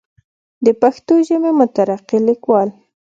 دَ پښتو ژبې مترقي ليکوال